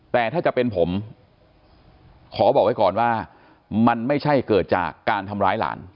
แต่ถ้าจะเป็นผมขอบอกไว้ก่อนว่ามันไม่ใช่เกิดจากการทำร้ายหลาน